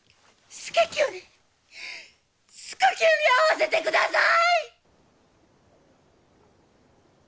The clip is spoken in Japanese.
佐清に佐清に会わせてください！